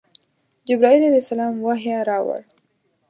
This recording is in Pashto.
جبرائیل علیه السلام وحی راوړ.